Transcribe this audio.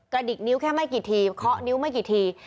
ดิกนิ้วแค่ไม่กี่ทีเคาะนิ้วไม่กี่ที